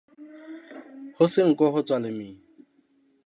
Ho se nko ho tswa lemina.